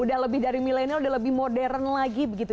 udah lebih dari milenial udah lebih modern lagi begitu